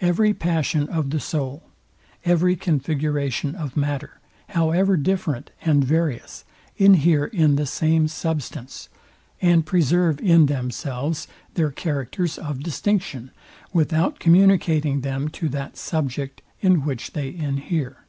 Every passion of the soul; every configuration of matter, however different and various, inhere in the same substance, and preserve in themselves their characters of distinction, without communicating them to that subject, in which they inhere.